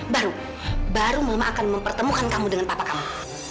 baru baru mama akan mempertemukan kamu dengan papa kamu